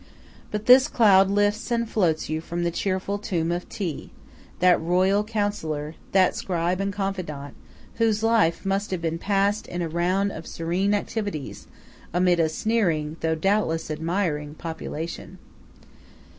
But this cloud lifts and floats from you in the cheerful tomb of Thi, that royal councillor, that scribe and confidant, whose life must have been passed in a round of serene activities, amid a sneering, though doubtless admiring, population.